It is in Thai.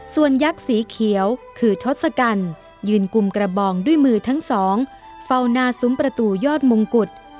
ส่วนยักษ์สีเขียวคือทศกัณฐ์ยืนกุมกระบองด้วยมือทั้งสองเฝ้าหน้าซุ้มประตูยอดมงกุฎ